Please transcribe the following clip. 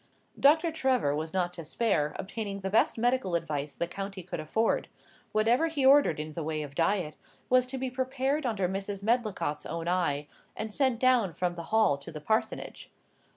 Doctor Trevor was not to spare obtaining the best medical advice the county could afford: whatever he ordered in the way of diet, was to be prepared under Mrs. Medlicott's own eye, and sent down from the Hall to the Parsonage.